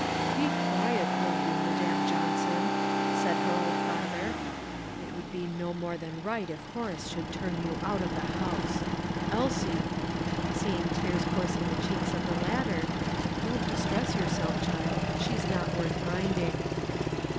"Be quiet, will you, Madam Johnson," said her old father; "it would be no more than right if Horace should turn you out of the house. Elsie," seeing tears coursing the cheeks of the latter, "don't distress yourself, child; she's not worth minding."